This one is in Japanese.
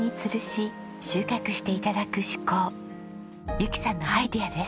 由紀さんのアイデアです。